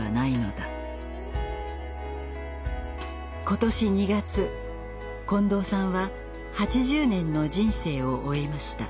今年２月近藤さんは８０年の人生を終えました。